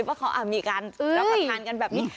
ว่าเขามีการรับประทานกันแบบนี้